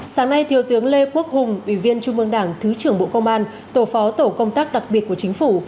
sáng nay thiếu tướng lê quốc hùng ủy viên trung ương đảng thứ trưởng bộ công an tổ phó tổ công tác đặc biệt của chính phủ